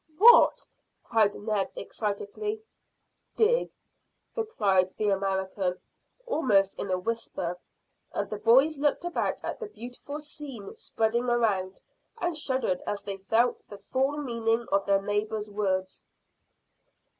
"What?" cried Ned excitedly. "Dig," replied the American, almost in a whisper, and the boys looked about at the beautiful scene spreading around, and shuddered as they felt the full meaning of their neighbour's words.